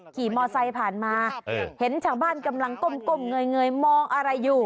ขี่มอไซค์ผ่านมาเห็นชาวบ้านกำลังก้มเงยมองอะไรอยู่